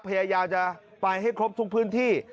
พยายามจะไปให้ครบทุกพื้นที่